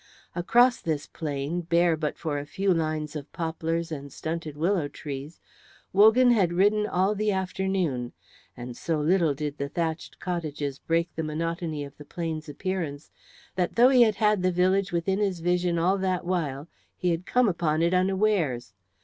Across this plain, bare but for a few lines of poplars and stunted willow trees, Wogan had ridden all the afternoon; and so little did the thatched cottages break the monotony of the plain's appearance, that though he had had the village within his vision all that while, he came upon it unawares.